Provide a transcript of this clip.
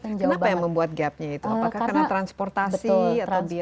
kenapa yang membuat gapnya itu apakah karena transportasi atau biaya